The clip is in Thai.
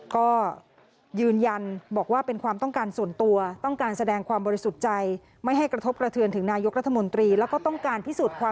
ก็ยืนยันบอกว่าเป็นความต้องการส่วนตัว